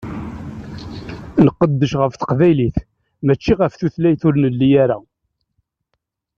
Nqeddec ɣef teqbaylit, mačči ɣef tutlayt ur nelli ara.